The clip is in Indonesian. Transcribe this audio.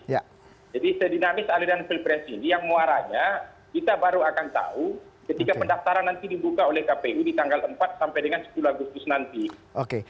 jadi sedinamis aliran pilpres ini yang muaranya kita baru akan tahu ketika pendaftaran nanti dibuka oleh kpu di tanggal empat sampai dengan sepuluh agustus nanti